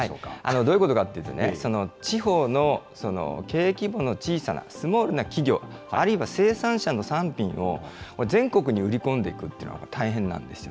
どういうことかっていうとね、地方の経営規模の小さな企業、あるいは生産者の産品を、全国に売り込んでいくっていうのは大変なんですよ。